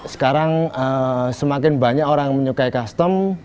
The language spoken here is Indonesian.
sekarang semakin banyak orang menyukai custom